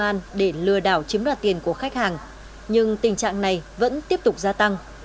các nhà công an đã lừa đảo chiếm đoạt tiền của khách hàng nhưng tình trạng này vẫn tiếp tục gia tăng